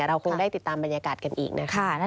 เราคงได้ติดตามบรรยากาศกันอีกนะคะ